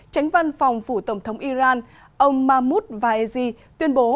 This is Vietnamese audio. tránh văn phòng phủ tổng thống iran ông mahmoud vaeji tuyên bố